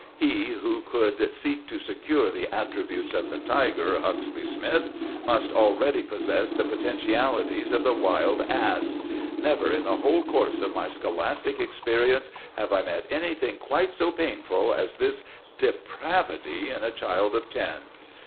He who could seek to secure the attributes of the tiger, Huxley Smythe, must already possess the potentialities of the wild ass! Never in the whole course of my scholastic experience have I met anything quite so painful as this depravity in a child of ten.